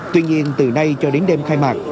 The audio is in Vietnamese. tuy nhiên từ nay cho đến đêm khai mạc